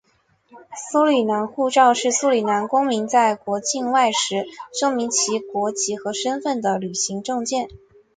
苏里南护照是苏里南公民在国境外时证明其国籍和身份的旅行证件。